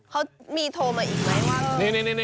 เขามีโทรมาอีกไหมว่า